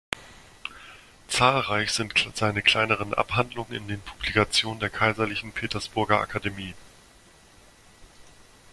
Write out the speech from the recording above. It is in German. Zahlreich sind seine kleineren Abhandlungen in den Publikationen der kaiserlichen Petersburger Akademie.